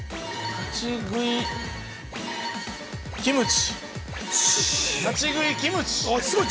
◆立ち食いキムチ！